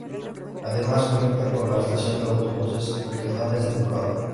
Además conecta con la estación de autobuses regionales del Prado.